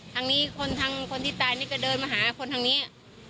ทางนี้คนทางคนที่ตายนี่ก็เดินมาหาคนทางนี้